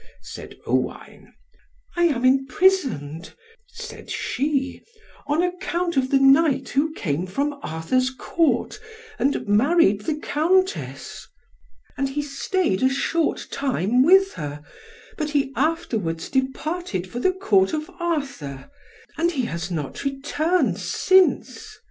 said Owain. "I am imprisoned," said she, "on account of the knight who came from Arthur's Court, and married the Countess. And he staid a short time with her, but he afterwards departed for the Court of Arthur, and he has not returned since.